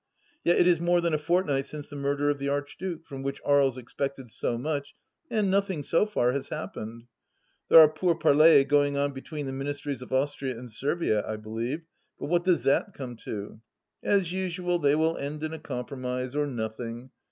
Yet it is more than a fortnight since the murder of the Archduke, from which Aries expected so much, and nothing so far has happened. There are pourparlers going on between the Ministries of Austria and Servia, I believe; but what does that come to ? As usual they will end in a compromise, or nothing.